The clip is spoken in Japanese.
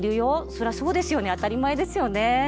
そらそうですよね当たり前ですよね。